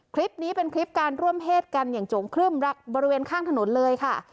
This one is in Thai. คลิปนี้เป็นคลิปการร่วมเพศกันอย่างโจงครึ่มบริเวณข้างถนนเลยค่ะ